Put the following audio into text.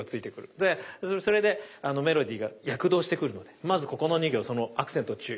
でそれでメロディーが躍動してくるのでまずここの２行そのアクセント注意。